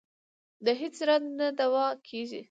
د هېڅ رنځ نه دوا کېږي.